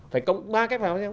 phải cộng ba cách vào với nhau